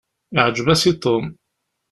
Iɛǧeb-as i Tom.